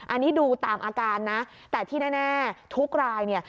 อันนี้ดูตามอาการนะแต่ที่แน่ทุกรายเนี่ย